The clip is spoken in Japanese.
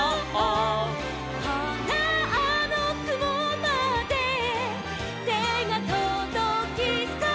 「ほらあのくもまでてがとどきそう」